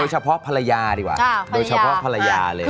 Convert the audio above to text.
เฉพาะภรรยาดีกว่าโดยเฉพาะภรรยาเลย